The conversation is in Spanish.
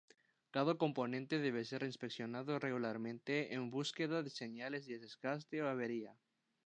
Cada componente debe ser inspeccionado regularmente en búsqueda de señales de desgaste o avería.